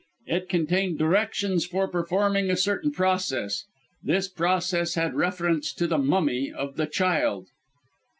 It contained directions for performing a certain process. This process had reference to the mummy of the child."